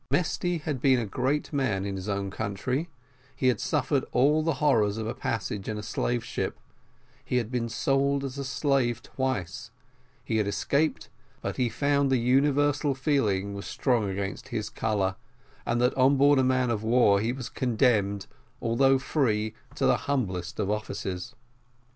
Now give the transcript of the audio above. Mesty had been a great man in his own country; he had suffered all the horrors of a passage in a slave ship; he had been sold as a slave twice; he had escaped but he found that the universal feeling was strong against his colour, and that on board of a man of war he was condemned, although free, to the humblest of offices.